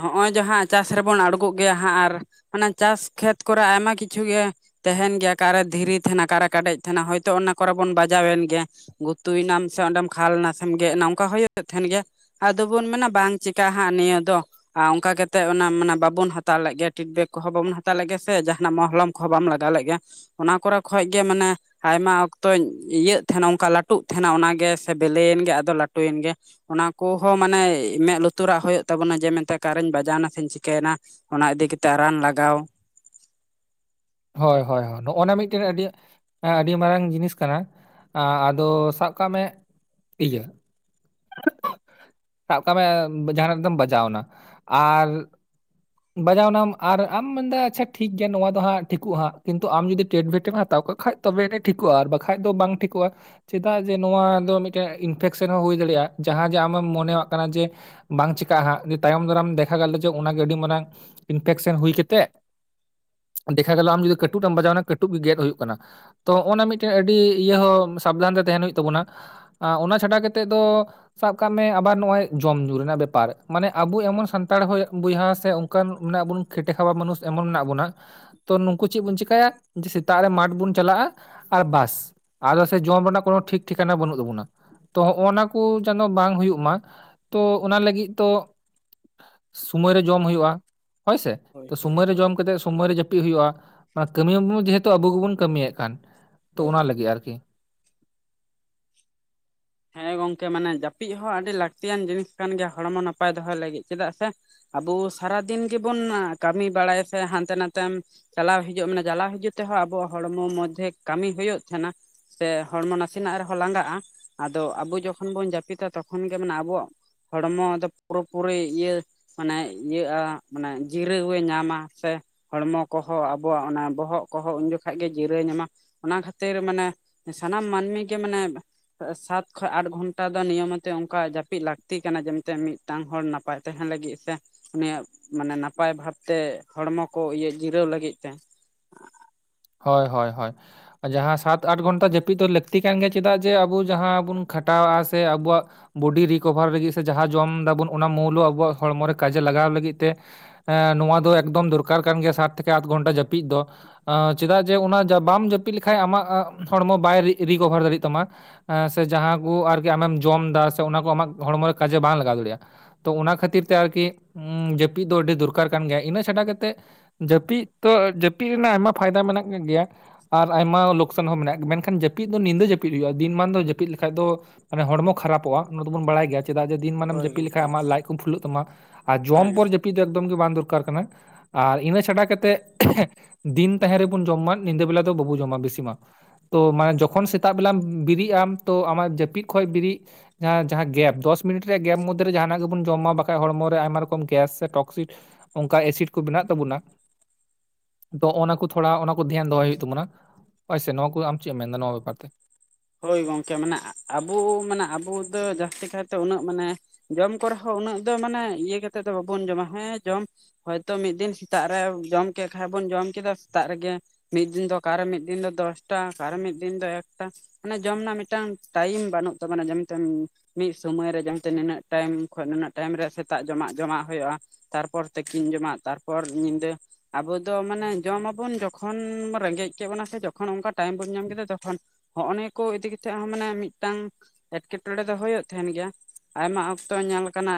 ᱦᱚᱸᱜ-ᱚᱭ ᱡᱮ ᱦᱟᱸᱜ ᱪᱟᱥ ᱨᱮᱵᱚᱱ ᱟᱲᱜᱩᱜ ᱜᱮᱭᱟ ᱦᱟᱸᱜ ᱟᱨ ᱚᱱᱟ ᱪᱟᱥ ᱠᱷᱮᱛ ᱠᱚ ᱨᱮ ᱟᱭᱢᱟ ᱠᱤᱪᱷᱩ ᱜᱮ ᱛᱟᱦᱮᱱ ᱜᱮᱭᱟ ᱚᱠᱟ ᱨᱮ ᱫᱷᱤᱨᱤ ᱛᱟᱦᱮᱱᱟ ᱚᱠᱟ ᱨᱮ ᱠᱟᱰᱮᱡ ᱛᱟᱦᱮᱱᱟ ᱦᱚᱭ ᱛᱚ ᱚᱱᱟ ᱠᱚᱨᱮ ᱵᱚᱱ ᱵᱟᱡᱟᱣ ᱮᱱ ᱜᱮᱭᱟ ᱜᱩᱛᱩᱭ ᱱᱟᱢ ᱥᱮ ᱚᱸᱰᱮᱢ ᱠᱷᱟᱞ ᱱᱟᱢ ᱥᱮᱢ, ‌'ᱶᱪ. ᱵᱪ ᱴᱷᱮᱱ ᱜᱮᱫ ᱮᱱᱟ ᱚᱱᱠᱟ ᱦᱩᱭ ᱛᱟᱦᱮᱱ ᱜᱮᱭᱟ ᱟᱫᱚ ᱵᱚᱱ ᱢᱮᱱᱟ ᱵᱟᱝ ᱪᱤᱠᱟᱹᱜ-ᱟ ᱦᱟᱸᱜ ᱱᱤᱭᱟᱹ ᱫᱚ ᱟᱨ ᱚᱱᱠᱟ ᱠᱟ ᱠᱟᱛᱮᱜ ᱚᱱᱟ ᱢᱟᱱᱮ ᱵᱟᱵᱚᱱ ᱦᱟᱛᱟᱣ ᱞᱮᱫ ᱜᱮᱭᱟ ᱯᱷᱤᱰᱵᱮᱠ ᱠᱚᱦᱚᱸ ᱵᱟᱵᱚᱱ ᱦᱟᱛᱟᱣ ᱞᱮᱫ ᱜᱮᱭᱟ ᱥᱮ ᱡᱟᱦᱟᱱᱟᱜ ᱢᱚᱦᱞᱚᱢ ᱠᱚ ᱵᱟᱢ ᱞᱟᱜᱟᱣ ᱞᱮᱫ ᱜᱮᱭᱟ ᱚᱱᱟ ᱠᱚᱨᱮ ᱠᱷᱚᱡ ᱜᱮ ᱢᱟᱱᱮ ᱟᱭᱢᱟ ᱚᱠᱛᱚᱧ ᱤᱭᱟᱹᱜ ᱛᱟᱦᱮᱱᱟ ᱚᱱᱠᱟ ᱞᱟᱹᱴᱩᱜ ᱛᱟᱦᱮᱱᱟ ᱚᱱᱟ ᱜᱮ ᱥᱮ ᱵᱮᱞᱮ ᱮᱱ ᱜᱮ ᱟᱫᱚ ᱞᱟᱹᱴᱩᱭᱮᱱ ᱜᱮ ᱚᱱᱟ ᱠᱚᱦᱚᱸ ᱢᱟᱱᱮ ᱢᱮᱸᱫ ᱞᱩᱛᱩᱨᱟᱜ ᱦᱩᱭᱩᱜ ᱛᱟᱵᱚᱱᱟ ᱡᱮ ᱢᱮᱱ ᱛᱮ ᱟᱠᱟᱨᱮᱧ ᱵᱟᱡᱟᱣᱱᱟ ᱥᱮ ᱪᱤᱠᱟᱹᱭᱮᱱᱟ ᱚᱱᱟ ᱤᱫᱤ ᱠᱟᱛᱮᱜ ᱨᱟᱱ ᱞᱟᱜᱟᱣ ᱦᱚᱭ ᱦᱚᱭ ᱱᱚᱜᱼᱚ ᱱᱟ ᱢᱤᱫᱴᱮᱱ ᱟᱹᱰᱤ ᱦᱮᱸ ᱟᱹᱰᱤ ᱢᱟᱨᱟᱝ ᱡᱤᱱᱤᱥ ᱠᱟᱱᱟ ᱟᱸ ᱟᱫᱚ ᱥᱟᱵ ᱠᱟᱜ ᱢᱮ ᱤᱭᱟᱹ <unintelligible> ᱥᱟᱵ ᱠᱟᱜ ᱢᱮ ᱡᱟᱦᱟᱱᱟᱜ ᱫᱚᱢ ᱵᱟᱡᱟᱣᱱᱟ ᱟᱨ ᱵᱟᱡᱟᱣᱱᱟᱢ ᱟᱨ ᱟᱢ ᱢᱮᱱᱫᱟ ᱟᱪᱪᱷᱟ ᱴᱷᱤᱠ ᱜᱮᱭᱟ ᱱᱚᱶᱟ ᱫᱚ ᱦᱟᱸᱜ ᱴᱷᱤᱠᱩᱜ ᱦᱟᱸᱜ ᱠᱤᱱᱛᱩ ᱟᱢ ᱡᱩᱫᱤ ᱴᱮᱴᱵᱮᱴ ᱮᱢ ᱦᱟᱛᱟᱣ ᱠᱟᱜ ᱵᱟᱠᱷᱟᱡ ᱛᱚᱵᱮ ᱜᱮ ᱴᱷᱤᱠᱚᱜ-ᱟ ᱟᱨ ᱵᱟᱠᱷᱟᱡ ᱫᱚ ᱵᱟᱝ ᱴᱷᱤᱠᱚᱜ-ᱟ ᱪᱮᱫᱟᱜ ᱡᱮ ᱱᱚᱣᱟ ᱫᱚ ᱢᱤᱫᱴᱮᱱ ᱤᱱᱯᱷᱮᱠᱥᱮᱱ ᱦᱚᱸ ᱦᱩᱭ ᱫᱟᱲᱮᱭᱟᱜ-ᱟ ᱡᱟᱦᱟᱸ ᱡᱮ ᱟᱢᱮᱢ ᱢᱚᱱᱮ ᱢᱚᱱᱮᱭᱟᱜ ᱠᱟᱱᱟ ᱡᱮ ᱵᱟᱝ ᱪᱤᱠᱟᱹᱜᱼᱟ ᱦᱟᱸᱜ ᱡᱮ ᱛᱟᱭᱚᱢ ᱫᱟᱨᱟᱢ ᱫᱮᱠᱷᱟ ᱜᱮᱞᱚ ᱡᱮ ᱚᱱᱟᱜᱮ ᱟᱹᱰᱤ ᱢᱟᱨᱟᱝ ᱤᱱᱯᱷᱮᱠᱥᱮᱱ ᱦᱩᱭ ᱠᱟᱛᱮᱮᱫ ᱫᱮᱠᱷᱟᱣ ᱜᱮᱞᱚ ᱟᱢ ᱡᱩᱚᱫᱤ ᱠᱟᱹᱴᱩᱵ ᱮᱢ ᱵᱟᱡᱟᱣᱱᱟ ᱠᱟᱹᱴᱩᱵ ᱜᱮ ᱜᱮᱫ ᱦᱩᱭᱩᱜ ᱠᱟᱱᱟ ᱛᱚ ᱚᱱᱟ ᱢᱤᱫᱴᱮᱱ ᱟᱹᱰᱤ ᱤᱭᱟᱹ ᱦᱚᱸ ᱥᱟᱵᱫᱷᱟᱱ ᱨᱮ ᱛᱟᱦᱮᱱ ᱦᱩᱭᱩᱜ ᱛᱟᱵᱚᱱᱟ ᱟ ᱚᱱᱟ ᱪᱷᱟᱰᱟ ᱠᱟᱛᱮᱫ ᱫᱚ ᱥᱟᱵ ᱠᱟᱜ ᱢᱮ ᱟᱵᱟᱨ ᱱᱚᱣᱚᱭ ᱡᱚᱢ ᱧᱩ ᱨᱮᱱᱟᱜ ᱵᱮᱯᱟᱨ ᱢᱟᱱᱮ ᱟᱵᱚ ᱮᱢᱚᱱ ᱥᱟᱱᱛᱟᱲ ᱦᱚᱭ ᱵᱚᱭᱦᱟ ᱥᱮ ᱚᱱᱠᱟᱱ ᱢᱮᱱᱟᱜ ᱵᱩᱱ ᱠᱷᱮᱴᱮ ᱠᱷᱟᱣᱟᱵᱟ ᱢᱟᱱᱩᱥ ᱮᱢᱚᱱ ᱢᱮᱱᱟᱜ ᱵᱚᱱᱟ ᱛᱚ ᱱᱩᱠᱩ ᱪᱮᱫ ᱵᱚᱱ ᱪᱮᱠᱟᱹᱭᱟ ᱥᱮᱛᱟᱜ ᱨᱮ ᱢᱟᱨᱴ ᱵᱚᱱ ᱪᱟᱞᱟᱜᱼᱟ ᱟᱨ ᱵᱟᱥ ᱟᱫᱚ ᱥᱮ ᱡᱚᱢ ᱨᱮᱱᱟᱜ ᱠᱚᱱᱚ ᱴᱷᱤᱠ ᱴᱷᱤᱠᱟᱱᱟ ᱵᱟᱹᱱᱩᱜ ᱛᱟᱵᱚᱱᱟ ᱛᱚ ᱚᱱᱟ ᱠᱚ ᱪᱟᱱᱚ ᱵᱟᱝ ᱦᱩᱭᱩᱜ-ᱢᱟ ᱛᱚ ᱚᱱᱟ ᱞᱟᱹᱜᱤᱫ ᱛᱚ ᱥᱩᱢᱚᱭ ᱨᱮ ᱡᱚᱢ ᱦᱩᱭᱩᱜᱼᱟ ᱦᱚᱭᱥᱮ ᱦᱳᱭ ᱛᱚ ᱦᱳᱭ ᱥᱚᱢᱚᱭ ᱨᱮ ᱦᱳᱭ ᱡᱚᱢ ᱠᱟᱛᱮᱜ ᱥᱚᱢᱚᱭ ᱨᱮ ᱡᱟᱹᱯᱤᱫ ᱦᱩᱭᱩᱜᱼᱟ ᱢᱟᱱᱮ ᱠᱟᱹᱢᱤᱭᱟ ᱢᱚᱫᱷᱮ ᱟᱵᱚ ᱜᱮᱵᱚᱱ ᱠᱟᱹᱢᱤᱭᱮᱫ ᱠᱟᱱ ᱛᱚ ᱚᱱᱟ ᱦᱳᱭ ᱞᱟᱹᱜᱤᱫ ᱟᱨᱠᱤ ᱦᱮᱸ ᱜᱚᱝᱠᱮ ᱢᱟᱱᱮ ᱡᱟᱹᱯᱤᱫ ᱦᱚᱸ ᱟᱹᱰᱤ ᱞᱟᱹᱠᱛᱤᱭᱟᱱ ᱡᱤᱱᱤᱥ ᱠᱟᱱ ᱜᱮᱭᱟ ᱦᱚᱲᱢᱚ ᱱᱟᱯᱟᱭ ᱫᱚᱦᱚᱭ ᱞᱟᱹᱜᱤᱫ ᱪᱮᱫᱟᱜ ᱥᱮ ᱟᱵᱚ ᱥᱟᱨᱟᱫᱤᱱ ᱜᱮᱵᱩᱱ ᱠᱟᱹᱢᱤ ᱵᱟᱲᱟᱭ ᱥᱮ ᱦᱟᱱᱛᱮ ᱱᱟᱛᱮᱢ ᱪᱟᱞᱟᱣ ᱦᱤᱡᱩᱜ ᱢᱟᱱᱮ ᱪᱟᱞᱟᱣ ᱦᱤᱡᱩᱜ ᱛᱮᱦᱚᱸ ᱟᱵᱚᱣᱟᱜ ᱦᱚᱲᱢᱚ ᱢᱚᱫᱽᱫᱷᱮ ᱠᱟᱹᱢᱤ ᱦᱩᱭᱩᱜ ᱛᱟᱦᱮᱸᱱᱟ ᱥᱮ ᱦᱚᱲᱢᱚ ᱱᱟᱥᱮᱱᱟᱜ ᱨᱮᱦᱚᱸ ᱞᱟᱸᱜᱟᱜᱼᱟ ᱟᱫᱚ ᱟᱵᱚ ᱡᱚᱠᱷᱚᱱ ᱵᱚᱱ ᱡᱟᱹᱯᱤᱫᱟ ᱛᱚᱠᱷᱚᱱ ᱜᱮ ᱢᱟᱱᱮ ᱟᱵᱚᱣᱟᱜ ᱦᱚᱲᱢᱚ ᱫᱚ ᱯᱩᱨᱟᱹᱯᱩᱨᱤ ᱤᱭᱟᱹ ᱢᱟᱱᱮ ᱤᱭᱟᱹᱜᱼᱟ ᱢᱟᱱᱮ ᱡᱤᱨᱟᱹᱣᱮ ᱧᱟᱢᱟ ᱥᱮ ᱦᱚᱲᱢᱚ ᱠᱚᱦᱚᱸ ᱟᱵᱚᱣᱟᱜ ᱚᱱᱟ ᱵᱚᱦᱚᱜ ᱠᱚᱦᱚᱸ ᱩᱱ ᱡᱚᱠᱷᱟᱱ ᱜᱮ ᱡᱤᱨᱟᱹ ᱧᱟᱢᱟ ᱚᱱᱟ ᱠᱷᱟᱹᱛᱤᱨ ᱢᱟᱱᱮ ᱥᱟᱱᱟᱢ ᱢᱟᱹᱱᱢᱤ ᱜᱮ ᱢᱟᱱᱮ ᱥᱟᱛ ᱠᱷᱚᱡ ᱟᱴ ᱜᱷᱚᱱᱴᱟ ᱫᱚ ᱱᱤᱭᱚᱢᱚᱛᱚ ᱚᱱᱠᱟ ᱡᱟᱹᱯᱤᱫ ᱞᱟᱹᱠᱛᱤ ᱠᱟᱱᱟ ᱡᱮᱛᱮ ᱢᱤᱫᱴᱟᱝ ᱦᱚᱲ ᱱᱟᱯᱟᱭ ᱛᱟᱦᱮᱱ ᱞᱟᱹᱜᱤᱫ ᱥᱮ ᱩᱱᱤᱭᱟᱜ ᱢᱟᱱᱮ ᱱᱟᱯᱟᱭ ᱵᱷᱟᱵ ᱛᱮ ᱦᱚᱲᱢᱚ ᱠᱚ ᱤᱭᱟᱹᱜ ᱡᱤᱨᱟᱹᱣ ᱞᱟᱹᱜᱤᱫ ᱛᱮ ᱦᱳᱭ ᱦᱳᱭ ᱦᱳᱭ ᱡᱟᱦᱟᱸ ᱥᱟᱛ ᱟᱴ ᱜᱷᱚᱱᱴᱟ ᱡᱟᱹᱯᱤᱫ ᱫᱚ ᱞᱟᱹᱠᱛᱤ ᱠᱟᱱ ᱜᱮᱭᱟ ᱪᱮᱫᱟᱜ ᱡᱮ ᱟᱵᱚ ᱡᱟᱦᱟᱸ ᱵᱩᱱ ᱠᱷᱟᱴᱟᱣᱟᱜᱼᱟ ᱥᱮ ᱟᱵᱩᱣᱟᱜ ᱵᱚᱰᱤ ᱨᱤᱠᱵᱷᱟᱨ ᱞᱟᱹᱜᱤᱫ ᱥᱮ ᱡᱟᱦᱟᱸ ᱡᱚᱢ ᱫᱟᱵᱚᱱ ᱚᱱᱟ ᱢᱩᱳᱞᱳ ᱟᱵᱚᱣᱟᱜ ᱦᱚᱲᱢᱚ ᱨᱮ ᱠᱟᱡᱮ ᱞᱟᱜᱟᱣ ᱞᱟᱹᱜᱤᱫ ᱛᱮ ᱮᱸᱻ ᱱᱚᱣᱟ ᱫᱚ ᱮᱠᱫᱚᱢ ᱫᱚᱨᱠᱟᱨ ᱠᱟᱱ ᱜᱮᱭᱟ ᱥᱟᱛ ᱛᱷᱮᱠᱮ ᱟᱫᱜᱷᱚᱱᱴᱟ ᱡᱟᱹᱯᱤᱫ ᱫᱚ ᱟᱸᱻ ᱪᱮᱫᱟᱜ ᱡᱮ ᱚᱱᱟ ᱵᱟᱢ ᱡᱟᱹᱯᱤᱫ ᱞᱮᱠᱷᱟᱱᱡ ᱟᱢᱟᱜ ᱦᱚᱲᱢᱚ ᱵᱟᱭ ᱨᱤ.. ᱨᱤᱠᱵᱷᱟᱨ ᱫᱟᱲᱮᱭᱟᱜ ᱛᱟᱢᱟ ᱥᱮ ᱡᱟᱦᱟᱸ ᱠᱚ ᱟᱨᱠᱤ ᱟᱢᱮᱢ ᱡᱚᱢ ᱮᱫᱟ ᱥᱮ ᱚᱱᱟ ᱠᱚ ᱟᱢᱟᱜ ᱦᱚᱲᱢᱚᱨᱮ ᱠᱟᱡᱮ ᱵᱟᱝ ᱞᱟᱜᱟᱣ ᱫᱟᱲᱮᱭᱟᱜᱼᱟ ᱛᱚ ᱚᱱᱟ ᱠᱷᱟᱹᱛᱤᱨ ᱛᱮ ᱟᱨᱠᱤ ᱡᱟᱹᱯᱤᱫ ᱫᱚ ᱟᱹᱰᱤ ᱫᱚᱨᱠᱟᱨ ᱠᱟᱱ ᱜᱮᱭᱟ ᱤᱱᱟᱹ ᱪᱷᱟᱰᱟ ᱠᱟᱛᱮᱫ ᱡᱟᱹᱯᱤᱫ ᱛᱚ ᱡᱟᱹᱯᱤᱫ ᱨᱮᱱᱟᱜ ᱟᱭᱢᱟ ᱯᱷᱟᱭᱫᱟ ᱢᱮᱱᱟᱜ ᱱᱚᱜ ᱜᱮᱭᱟ ᱟᱨ ᱟᱭᱢᱟ ᱞᱚᱠᱠᱥᱟᱱ ᱦᱚᱸ ᱢᱮᱱᱟᱜ ᱜᱮᱭᱟ ᱢᱮᱱᱠᱷᱟᱱ ᱡᱟᱹᱯᱤᱫ ᱫᱚ ᱧᱤᱫᱟᱹ ᱡᱟᱹᱯᱤᱫ ᱦᱩᱭᱩᱜᱼᱟ ᱫᱤᱱ ᱢᱟᱱ ᱫᱚ ᱡᱟᱹᱯᱤᱫ ᱞᱮᱠᱷᱟᱡ ᱫᱚ ᱢᱟᱱᱮ ᱦᱚᱲᱢᱚ ᱠᱷᱟᱨᱟᱯᱚᱜᱼᱟ ᱚᱱᱟ ᱫᱚᱵᱚᱱ ᱵᱟᱲᱟᱭ ᱜᱮᱭᱟ ᱪᱮᱫᱟ ᱡᱮ ᱫᱤᱱ ᱢᱟᱱᱮᱢ ᱦᱳᱭ ᱡᱟᱹᱯᱤᱫ ᱞᱮᱠᱷᱟᱱᱡ ᱜᱚᱝᱠᱮ ᱟᱢᱟᱜ ᱞᱟᱡ ᱠᱚᱢ ᱯᱷᱩᱞᱟᱹᱜ ᱛᱟᱢᱟ ᱟᱨ ᱦᱮᱸ ᱡᱚᱢ ᱯᱚᱨ ᱡᱟᱹᱯᱤᱫ ᱮᱠᱫᱚᱢ ᱜᱮ ᱵᱟᱝ ᱫᱚᱨᱠᱟᱨ ᱠᱟᱱᱟ ᱟᱨ ᱤᱱᱟᱹ ᱪᱷᱟᱰᱟ ᱠᱟᱛᱮ ᱫᱤᱱ ᱛᱟᱦᱮᱸ ᱨᱮᱵᱚᱱ ᱡᱚᱢ ᱢᱟ ᱧᱤᱫᱟᱹ ᱵᱮᱞᱟ ᱫᱚ ᱵᱟᱵᱚᱱ ᱡᱚᱢᱟ ᱵᱤᱥᱤ ᱢᱟ ᱛᱚᱟᱱᱮ ᱦᱳᱭ ᱡᱚᱠᱷᱚᱱ ᱥᱮᱛᱟᱜ ᱵᱮᱞᱟ ᱵᱤᱨᱮᱫ ᱟᱢ ᱛᱚ ᱟᱢᱟᱜ ᱡᱟᱹᱯᱤᱫ ᱠᱷᱚᱡ ᱵᱤᱨᱤᱫ ᱡᱟᱦᱟᱸ ᱡᱟᱦᱟᱸ ᱜᱮᱯ ᱫᱚᱥ ᱢᱤᱱᱤᱴ ᱨᱮᱭᱟᱜ ᱜᱮᱯ ᱢᱚᱫᱽᱫᱷᱮᱨᱮ ᱡᱟᱦᱟᱱᱟᱜ ᱜᱮᱵᱚᱱ ᱡᱚᱢᱟ ᱵᱟᱠᱷᱟᱡ ᱦᱚᱲᱢᱚ ᱨᱮ ᱟᱭᱢᱟ ᱨᱚᱠᱚᱢ ᱜᱮᱥ ᱥᱮ ᱴᱚᱠᱥᱤ ᱚᱱᱠᱟ ᱮᱥᱤᱰ ᱠᱚ ᱢᱮᱱᱟᱜ ᱛᱟᱵᱚᱱᱟ ᱛᱚ ᱚᱱᱟ ᱠᱚ ᱛᱷᱚᱲᱟ ᱚᱱᱟ ᱠᱚ ᱫᱷᱮᱭᱟᱱ ᱫᱚᱦᱚᱭ ᱦᱩᱭᱩᱜ ᱛᱟᱵᱚᱱᱟ ᱟᱥᱮ ᱱᱚᱣᱟ ᱠᱚ ᱟᱢ ᱪᱮᱫ ᱮᱢ ᱢᱮᱱᱫᱟ ᱱᱚᱣᱟ ᱵᱮᱯᱟᱨ ᱛᱮ ᱦᱳᱭ ᱜᱚᱝᱠᱮ ᱢᱟᱱᱮ ᱟᱵᱚ ᱢᱟᱱᱮ ᱟᱵᱚ ᱫᱚ ᱡᱟᱹᱥᱛᱤ ᱠᱟᱭᱛᱮ ᱩᱱᱟᱹᱜ ᱢᱟᱱᱮ ᱡᱚᱢ ᱠᱚᱨᱮ ᱦᱚ ᱩᱱᱟᱹᱜ ᱫᱚ ᱢᱟᱱᱮ ᱤᱭᱟᱹ ᱠᱟᱛᱮᱫ ᱫᱚ ᱵᱟᱵᱚᱱ ᱡᱚᱢᱟ ᱦᱮᱸ ᱡᱚᱢ ᱦᱚᱭᱛᱚ ᱢᱤᱫ ᱫᱤᱱ ᱥᱮᱛᱟᱜ ᱨᱮ ᱡᱚᱢ ᱠᱮᱜ ᱠᱷᱟ ᱵᱚᱱ ᱡᱚᱢ ᱠᱮᱫᱟ ᱥᱮᱛᱟᱜ ᱨᱮᱜᱮ ᱢᱤᱫ ᱫᱤᱱ ᱫᱚ ᱚᱠᱮ ᱢᱤᱫ ᱫᱤᱱ ᱫᱚ ᱫᱚᱥᱴᱟ ᱚᱠᱟᱨᱮ ᱢᱤᱫ ᱫᱤᱱ ᱫᱚ ᱮᱠᱴᱟ ᱢᱟᱱᱮ ᱡᱚᱢ ᱨᱮᱱᱟᱜ ᱢᱤᱫᱴᱟᱝ ᱴᱟᱭᱤᱢ ᱵᱟᱹᱱᱩᱜ ᱛᱟᱵᱚᱱᱟ ᱡᱮᱢ ᱴᱮᱢ ᱢᱤᱫ ᱥᱳᱢᱟ. ᱭ ᱨᱮ ᱡᱮ ᱢᱮᱱᱛᱮ ᱱᱤᱱᱟᱹᱜ ᱴᱟᱭᱤᱢ ᱠᱷᱚᱜ ᱱᱩᱱᱟᱹᱜ ᱴᱟᱭᱤᱢ ᱨᱮ ᱥᱮᱛᱟᱜ ᱡᱚᱢᱟᱜ ᱡᱚᱢᱟᱜ ᱦᱩᱭᱩᱜᱼᱟ ᱛᱟᱨᱯᱚᱨ ᱛᱤᱠᱤᱱ ᱡᱚᱢᱟᱜ ᱛᱟᱨᱯᱚᱨ ᱧᱤᱫᱟᱹ ᱟᱵᱚ ᱫᱚ ᱢᱟᱱᱮ ᱡᱚᱢ ᱢᱟᱵᱩᱱ ᱡᱚᱠᱷᱚᱱ ᱨᱮᱸᱜᱮᱡ ᱠᱮᱜ ᱵᱚᱱᱟ ᱥᱮ ᱡᱚᱠᱷᱚᱱ ᱚᱱᱠᱟ ᱴᱟᱭᱤᱢ ᱵᱚᱱ ᱧᱟᱢ ᱠᱮᱫᱟ ᱛᱚᱠᱷᱚᱱ ᱦᱚᱜᱼᱚ ᱱᱤᱭᱟᱹ ᱠᱚ ᱤᱫᱤ ᱠᱟᱛᱮᱜ ᱦᱚᱸ ᱢᱟᱱᱮ ᱢᱤᱫᱴᱟᱝ ᱮᱴᱠᱮᱴᱚᱬᱮ ᱫᱚ ᱦᱩᱭᱩᱜ ᱛᱟᱦᱮᱱ ᱜᱮᱭᱟ ᱟᱭᱢᱟ ᱚᱠᱛᱚ ᱧᱮᱞ ᱟᱠᱟᱱᱟ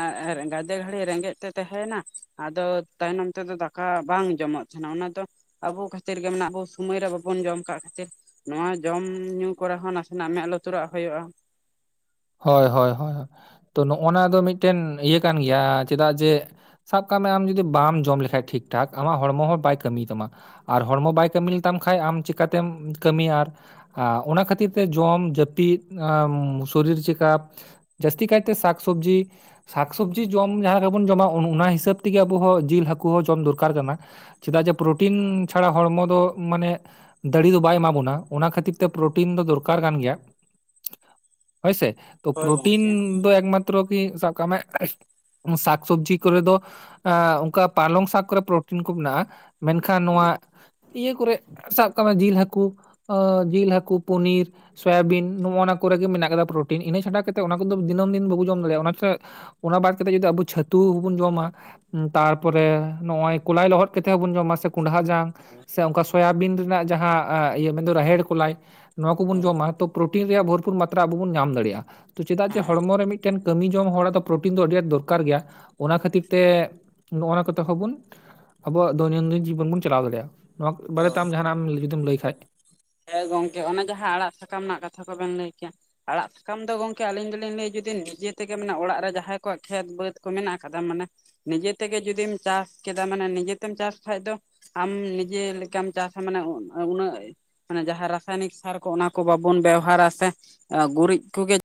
ᱜᱟ. ᱫᱮ ᱜᱷᱲᱤᱡ ᱨᱮᱸᱜᱮᱡ ᱛᱮ ᱛᱮᱦᱮᱸᱮᱭᱮᱱᱟ ᱟᱫᱚ ᱛᱟᱭᱱᱚᱢ ᱛᱮᱫᱚ ᱫᱟᱠᱟ ᱵᱟᱝ ᱡᱚᱢᱚᱜ ᱛᱟᱦᱮᱱᱟ ᱚᱱᱟ ᱫᱚ ᱟᱵᱚ ᱠᱷᱟᱹᱛᱤᱨ ᱜᱮ ᱢᱮᱱᱟᱜ ᱟᱵᱚ ᱥᱚᱢᱚᱭ ᱨᱮ ᱵᱟᱵᱚᱱ ᱡᱚᱢ ᱠᱟᱜ ᱠᱷᱟᱹᱛᱤᱨ ᱱᱚᱣᱟ ᱡᱚᱢ ᱧᱩ ᱠᱚᱨᱮ ᱦᱚᱸ ᱱᱟᱥᱮᱱᱟᱜ ᱢᱮᱜ ᱞᱩᱛᱩᱨᱟᱜ ᱦᱩᱭᱩᱜᱼᱟ ᱦᱚᱭ ᱦᱚᱭ ᱦᱚᱭ ᱦᱚᱭ ᱛᱚ ᱱᱚᱜᱼᱱᱟ ᱫᱚ ᱢᱤᱫᱴᱮᱱ ᱤᱭᱟᱹ ᱠᱟᱱ ᱜᱮᱭᱟ ᱪᱮᱫᱟᱜ ᱡᱮ ᱥᱟᱵ ᱠᱟᱜ ᱢᱮ ᱟᱢ ᱡᱩᱫᱤ ᱵᱟᱢ ᱡᱚᱢ ᱞᱮᱠᱷᱟᱡ ᱴᱷᱤᱠ ᱴᱷᱟᱠ ᱟᱢᱟᱜ ᱦᱚᱲᱢᱚ ᱦᱚᱸ ᱵᱟᱭ ᱠᱟᱹᱢᱤ ᱛᱟᱢᱟ ᱟᱨ ᱦᱚᱲᱢᱚ ᱵᱟᱭ ᱠᱟᱹᱢᱤ ᱞᱮᱛᱟᱢ ᱠᱷᱟᱡ ᱟᱢ ᱪᱤᱟᱹᱛᱮᱢ ᱠᱟᱹᱢᱤᱭᱟ ᱟᱨ ᱟᱻ ᱚᱱᱟ ᱠᱷᱟᱹᱛᱤᱨ ᱛᱮ ᱡᱚᱢ ᱡᱟᱹᱯᱤᱫ ᱟᱸ ᱥᱚᱨᱤᱨ ᱪᱮᱠᱟᱯ ᱡᱟᱹᱥᱛᱤ ᱠᱟᱭᱛᱮ ᱥᱟᱠ ᱥᱚᱵᱽᱡᱤ ᱥᱟᱠᱥᱚᱵᱽᱡᱤ ᱡᱚᱢ ᱡᱟᱦᱟᱸ ᱞᱮᱠᱟ ᱵᱚᱱ ᱡᱚᱢᱟ ᱚᱱ ᱚᱱᱟ ᱦᱤᱥᱟᱹᱵᱽ ᱛᱮᱜᱮ ᱟᱵᱚ ᱦᱚᱸ ᱡᱤᱞ ᱦᱟᱹᱠᱩ ᱦᱚᱸ ᱡᱚᱢ ᱫᱚᱨᱠᱟᱨ ᱠᱟᱱᱟ ᱪᱮᱫᱟᱜ ᱡᱮ ᱯᱨᱳᱚᱴᱤᱱ ᱪᱷᱟᱲᱟ ᱦᱚᱲᱢᱚ ᱫᱚ ᱢᱟᱱᱮ ᱫᱟᱲᱤ ᱫᱚ ᱵᱟᱭ ᱮᱢᱟ ᱵᱚᱱᱟ ᱚᱱᱟ ᱠᱷᱟᱹᱛᱤᱨ ᱛᱮ ᱯᱨᱚᱴᱤᱱ ᱫᱚ ᱫᱚᱨᱠᱟᱨ ᱠᱟᱱ ᱜᱮᱭᱟ ᱦᱳᱭᱥᱮ ᱛᱚ ᱦᱳᱭ ᱯᱨᱳᱚᱴᱤᱱ ᱜᱚᱝᱠᱮ ᱫᱚ ᱮᱠᱢᱟᱛᱨᱚ ᱠᱤ ᱥᱟᱵ ᱠᱟᱜ ᱢᱮ ᱥᱟᱠ ᱥᱚᱵᱽᱡᱤ ᱠᱚᱨᱮ ᱫᱚ ᱮᱸ ᱚᱱᱠᱟ ᱯᱟᱞᱚᱝ ᱥᱟᱠ ᱠᱚᱨᱮ ᱯᱨᱚᱴᱤᱱ ᱠᱩ ᱢᱮᱱᱟᱜᱼᱟ ᱢᱮᱱᱠᱷᱟᱱ ᱦᱳᱭ ᱱᱚᱣᱟ ᱤᱭᱟᱹᱣ ᱠᱚᱨᱮ ᱥᱟᱵ ᱠᱟᱜ ᱢᱮ, ᱡᱤᱞ, ᱦᱟᱹᱠᱩ, ᱚᱸᱻ ᱡᱤᱞ, ᱦᱟᱹᱠᱩ, ᱯᱚᱱᱤᱨ, ᱥᱳᱭᱟᱵᱤᱱ ᱱᱚᱜᱼᱚ ᱱᱚᱣᱟ ᱠᱚᱨᱮᱜᱮ ᱢᱮᱱᱟᱜ ᱠᱟᱫᱟ ᱯᱳᱨᱳᱴᱤᱱ, ᱤᱱᱟᱹ ᱪᱷᱟᱰᱟ ᱠᱟᱛᱮᱜ ᱚᱱᱟ ᱠᱚᱫᱚ ᱫᱤᱱᱟᱹᱢ ᱫᱤᱱ ᱵᱩᱵᱩ ᱡᱚᱢ ᱫᱟᱲᱮᱭᱟᱜᱼᱟ, ᱚᱱᱟᱛᱮ ᱚᱱᱟ ᱵᱟᱫ ᱠᱟᱛᱮᱫ ᱡᱚᱫᱤ ᱟᱵᱚ ᱪᱷᱟᱹᱛᱩ ᱦᱩᱸᱵᱩᱱ ᱡᱚᱢᱟ ᱾ ᱛᱟᱨᱯᱚᱨᱮ ᱱᱚᱜ ᱚᱭ ᱠᱚᱞᱟᱭ ᱞᱚᱦᱚᱫ ᱠᱟᱛᱮᱜ ᱦᱚᱸᱵᱚᱱ ᱡᱚᱢ ᱟ ᱥᱮ ᱠᱚᱸᱰᱷᱟ ᱡᱟᱝ ᱥᱮ ᱚᱱᱠᱟ ᱮ ᱥᱳᱭᱟᱵᱤᱱ ᱨᱮᱱᱟᱜ ᱡᱟᱦᱟᱸ ᱤᱭᱟᱹ ᱢᱮᱱᱫᱚ ᱨᱟᱦᱮᱲ ᱠᱚ ᱞᱟᱭ ᱱᱚᱣᱟ ᱠᱚᱵᱩᱱ ᱦᱳᱭ ᱡᱚᱢᱟ ᱛᱚ ᱯᱨᱳᱴᱤᱱ ᱨᱮᱭᱟᱜ ᱵᱷᱚᱨᱯᱩᱨ ᱢᱟᱛᱨᱟ ᱟᱵᱚ ᱵᱚᱱ ᱧᱟᱢ ᱫᱟᱲᱮᱭᱟᱜᱼᱟ ᱾ ᱛᱚ ᱪᱮᱫᱟᱜ ᱡᱮ ᱦᱮᱸ ᱦᱚᱲᱢᱚ ᱨᱮ ᱢᱤᱫᱮᱱ ᱢᱤᱫᱴᱮᱱ ᱠᱟᱹᱢᱤ ᱡᱚᱝ ᱦᱚᱲᱟᱫ ᱫᱚ ᱯᱨᱚᱴᱤᱱ ᱫᱚ ᱟᱹᱰᱤ ᱟᱸᱴ ᱫᱚᱨᱠᱟᱨ ᱜᱮᱭᱟ ᱾ ᱚᱱᱟ ᱠᱷᱟᱹᱛᱤᱨ ᱛᱮ ᱱᱚᱜᱱᱟ ᱠᱚᱛᱮ ᱦᱚᱸᱵᱚᱱ, ᱟᱵᱚᱣᱟᱜ ᱫᱳᱭᱱᱳᱱᱫᱤᱱ ᱡᱤᱵᱚᱱ ᱵᱚᱱ ᱪᱟᱞᱟᱣ ᱫᱟᱲᱮᱭᱟᱜᱼᱟ ᱾ ᱱᱚᱣᱟ ᱵᱟᱨᱮᱛᱮ ᱦᱳᱭ ᱟᱢ ᱡᱟᱦᱟᱱᱟᱜ ᱡᱩᱫᱤᱢ ᱞᱟᱹᱭ ᱠᱷᱟᱡ? ᱦᱮᱸ ᱜᱚᱝᱠᱮ ᱚᱱᱮ ᱡᱟᱦᱟᱸ ᱟᱲᱟᱜ ᱥᱟᱠᱟᱢ ᱨᱮᱱᱟᱜ ᱠᱟᱛᱷᱟ ᱠᱚᱵᱮᱱ ᱞᱟᱹᱭ ᱠᱮᱭᱟ ᱾ ᱟᱲᱟᱜ ᱥᱟᱠᱟᱢ ᱫᱚ ᱜᱚᱝᱠᱮ ᱟᱞᱤᱧ ᱫᱚᱞᱤᱧ ᱞᱟᱹᱭᱟ ᱡᱩᱫᱤ ᱱᱤᱡᱮ ᱛᱮᱜᱮ ᱢᱟᱱᱮ ᱚᱲᱟᱜ ᱨᱮ ᱡᱟᱦᱟᱸᱭ ᱠᱚᱣᱟᱜ ᱠᱷᱮᱛ ᱵᱟᱹᱫᱽ ᱠᱚ ᱢᱮᱱᱟᱜ ᱟᱠᱟᱫᱟ, ᱢᱟᱱᱮ ᱱᱤᱡᱮ ᱛᱮᱜᱮ ᱡᱩᱫᱤᱢ ᱪᱟᱥ ᱠᱮᱫᱟ ᱢᱟᱱᱮ ᱱᱤᱡᱮ ᱛᱮᱢ ᱪᱟᱥ ᱠᱷᱟ ᱫᱚ ᱾ ᱟᱢ ᱱᱤᱡᱮ ᱞᱮᱠᱟᱢ ᱪᱟᱥ ᱟ ᱢᱟᱱᱮ ᱩᱱᱟᱹᱜ ᱢᱟᱱᱮ ᱡᱟᱦᱟᱸ ᱨᱟᱥᱟᱭᱱᱤᱠ ᱥᱟᱨ ᱠᱚ ᱚᱱᱟ ᱠᱚ ᱵᱟᱵᱚᱱ ᱵᱮᱣᱦᱟᱨᱟ ᱥᱮ, ᱜᱩᱨᱤᱡ ᱠᱚᱜᱮ